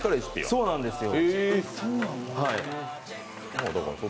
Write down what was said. そうなんですよ。